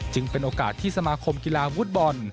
เป็นโอกาสที่สมาคมกีฬาฟุตบอล